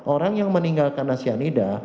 orang yang meninggal karena cyanida